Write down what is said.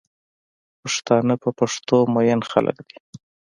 پښتانه په پښتو مئین خلک دی